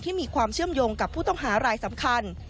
ที่มีความเชื่อมโยงกับผู้ต้องหารายสำคัญ